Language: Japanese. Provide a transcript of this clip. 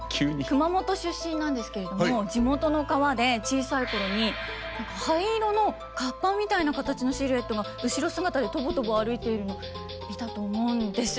熊本出身なんですけれども地元の川で小さい頃に灰色のカッパみたいな形のシルエットが後ろ姿でとぼとぼ歩いているの見たと思うんです。